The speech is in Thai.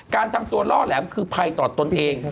การทำตัวล่อแหลมคือภัยต่อตนเอง